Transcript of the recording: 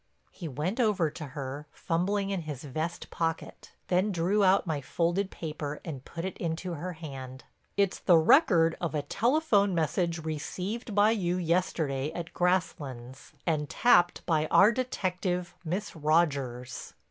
He went over to her, fumbling in his vest pocket, and then drew out my folded paper and put it into her hand: "It's the record of a telephone message received by you yesterday at Grasslands, and tapped by our detective, Miss Rogers."